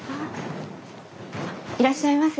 いらっしゃいませ。